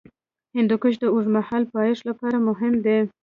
هندوکش د اوږدمهاله پایښت لپاره مهم دی.